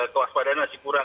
kewas badannya masih kurang